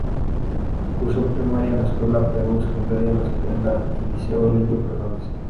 Cursó primaria en la Escuela Perú, secundaria en la Escuela y Liceo Elbio Fernández.